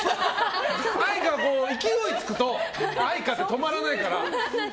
愛花は勢いがつくと愛花は止まらないから。